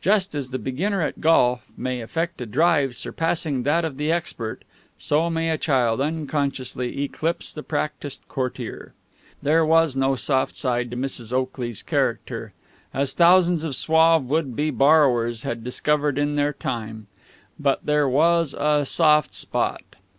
Just as the beginner at golf may effect a drive surpassing that of the expert, so may a child unconsciously eclipse the practised courtier. There was no soft side to Mrs. Oakley's character, as thousands of suave would be borrowers had discovered in their time, but there was a soft spot.